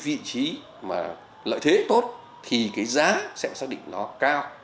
có một vị trí mà lợi thế tốt thì cái giá sẽ xác định nó cao